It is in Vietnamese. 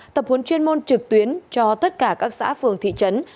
tập huấn chuyên môn trực tuyến cho tất cả các xã phường thị trấn